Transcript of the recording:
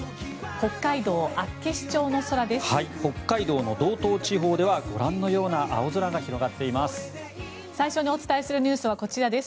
北海道の道東地方ではご覧のような青空が広がっています。